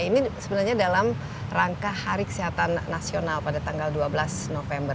ini sebenarnya dalam rangka hari kesehatan nasional pada tanggal dua belas november